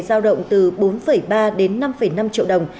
giao động từ bốn ba đến năm năm triệu đồng